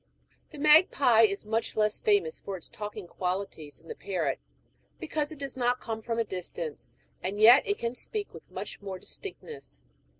The magpie is much less famous for its talking qualities than the parrot, because it does not come from a distance, and yet it can speak with much more distinctness.